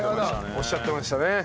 おっしゃってましたね。